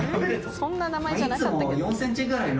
そんな名前じゃなかったけど。